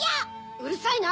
うるさいな！